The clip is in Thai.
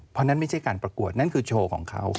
เพราะนั่นไม่ใช่การประกวดนั่นคือโชว์ของเขา